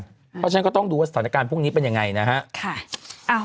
เพราะฉะนั้นก็ต้องดูว่าสถานการณ์พวกนี้เป็นยังไงนะฮะ